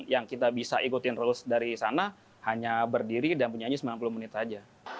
yang kita bisa ikutin rules dari sana hanya berdiri dan penyanyi sembilan puluh menit saja